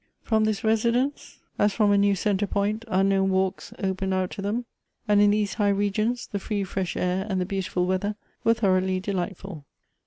From this residence, as from 244 Goethe's a new centre point, unknown walks opened out to them; and in these high regions the free fresh air and the beautiful weather were thoroughly delightful.